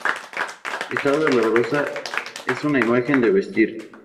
Esta dolorosa es una imagen de vestir.